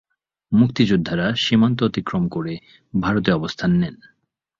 মুক্তিযোদ্ধারা সীমান্ত অতিক্রম করে ভারতে অবস্থান নেন।